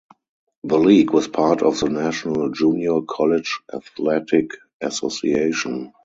The league was part of the National Junior College Athletic Association.